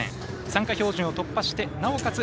参加標準を突破してなおかつ